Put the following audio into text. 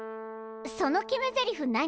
その決めゼリフ何？